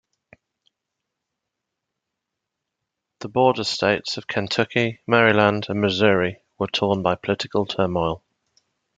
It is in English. The Border States of Kentucky, Maryland, and Missouri were torn by political turmoil.